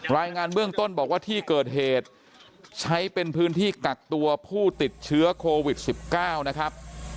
รายงานเบื้องต้นบอกว่าที่เกิดเหตุใช้เป็นพื้นที่กักตัวผู้ติดเชื้อโควิด๑๙นะครับ